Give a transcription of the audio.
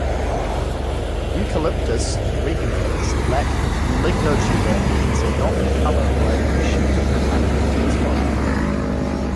"Eucalyptus regnans" lacks a lignotuber and hence cannot recover by reshooting after intense fire.